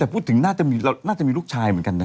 แต่พูดถึงเราพูดถึงเราน่าจะมีลูกชายเหมือนกันนะ